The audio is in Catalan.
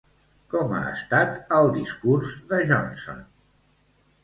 Com ha estat el discurs de Johnson?